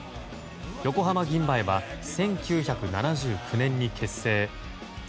横浜銀蝿は１９７９年に結成。